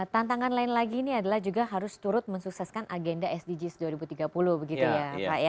tantangan lain lagi ini adalah juga harus turut mensukseskan agenda sdgs dua ribu tiga puluh begitu ya pak ya